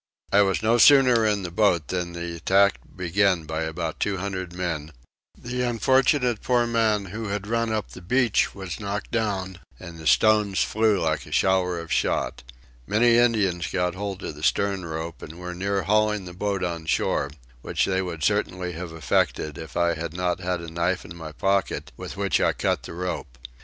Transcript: I was no sooner in the boat than the attack began by about 200 men; the unfortunate poor man who had run up the beach was knocked down, and the stones flew like a shower of shot. Many Indians got hold of the stern rope and were near hauling the boat on shore, which they would certainly have effected if I had not had a knife in my pocket with which I cut the rope.